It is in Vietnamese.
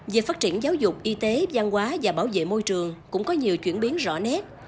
về phát triển giáo dục y tế gian hóa và bảo vệ môi trường cũng có nhiều chuyển biến rõ nét